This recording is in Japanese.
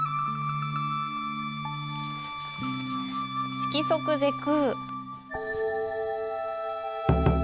「色即是空」。